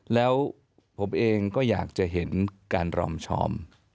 แล้วผมเองก็อยากจะเห็นการรอมชอม